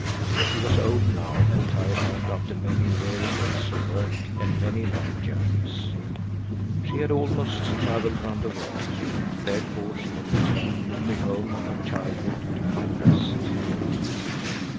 She was old now and tired out after many weary days of work and many long journeys,— she had almost traveled round the world,—therefore she had returned to the home of her childhood to find rest.